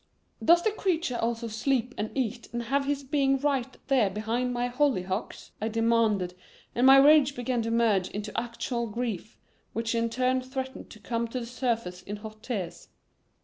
"Does the creature also sleep and eat and have his being right there behind my hollyhocks?" I demanded, and my rage began to merge into actual grief, which in turn threatened to come to the surface in hot tears.